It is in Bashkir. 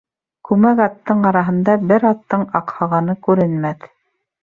Күмәк аттың араһында бер аттың аҡһағаны күренмәҫ.